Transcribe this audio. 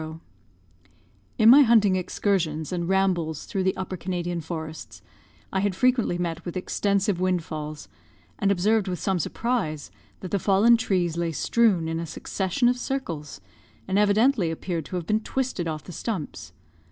] "In my hunting excursions and rambles through the Upper Canadian forests, I had frequently met with extensive wind falls; and observed with some surprise that the fallen trees lay strewn in a succession of circles, and evidently appeared to have been twisted off the stumps.